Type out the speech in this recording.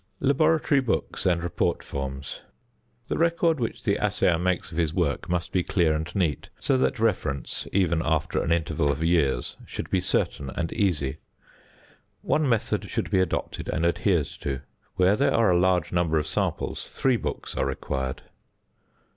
~Laboratory Books and Report Forms.~ The record which the assayer makes of his work must be clear and neat, so that reference, even after an interval of years, should be certain and easy. One method should be adopted and adhered to. Where there are a large number of samples, three books are required.